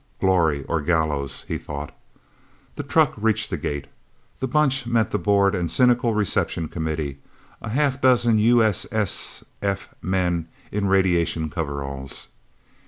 glory, or gallows, he thought. The trucks reached the gate. The Bunch met the bored and cynical reception committee a half dozen U.S.S.F. men in radiation coveralls.